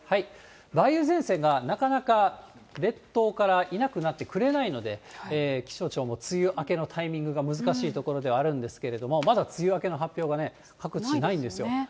梅雨前線がなかなか列島からいなくなってくれないので、気象庁も梅雨明けのタイミングが難しいところではあるんですけれどもまだ梅雨明けの発表が各地ないんですよ。